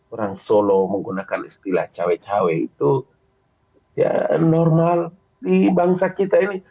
orang solo menggunakan istilah cawe cawe itu ya normal dibangsa kita ini